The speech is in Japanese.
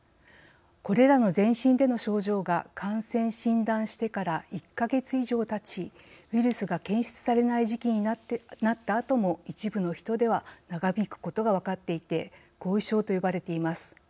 これらの全身での症状が感染・診断してから１か月以上たちウイルスが検出されない時期になったあとも一部の人では長引くことが分かっていて後遺症と呼ばれています。